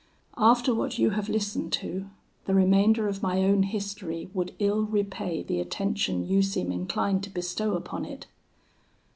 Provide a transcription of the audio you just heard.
"After what you have listened to, the remainder of my own history would ill repay the attention you seem inclined to bestow upon it.